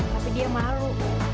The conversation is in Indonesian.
tapi dia maru